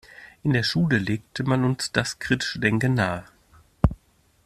In der Schule legte man uns das kritische Denken nahe.